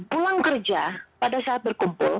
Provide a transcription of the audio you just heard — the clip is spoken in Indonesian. pulang kerja pada saat berkumpul